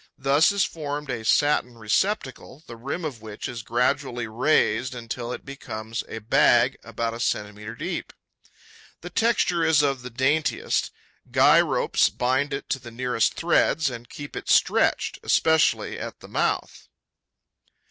Thus is formed a satin receptacle the rim of which is gradually raised until it becomes a bag about a centimetre deep. The texture is of the daintiest. Guy ropes bind it to the nearest threads and keep it stretched, especially at the mouth.